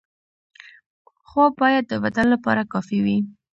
خواب باید د بدن لپاره کافي وي.